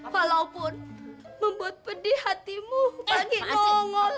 walaupun membuat pedih hatimu pak gino ngol ngol